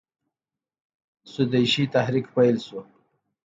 سودیشي تحریک پیل شو.